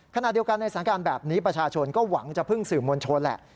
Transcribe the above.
ขณะเดียวกันในสถานการณ์แบบนี้ประชาชนก็หวังจะพึ่งสื่อมวลชนแหละ